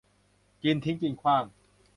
กินทิ้งกินขว้าง